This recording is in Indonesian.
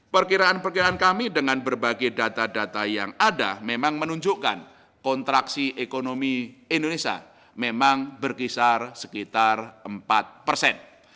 perkiraan perkiraan kami dengan berbagai data data yang ada memang menunjukkan kontraksi ekonomi indonesia memang berkisar sekitar empat persen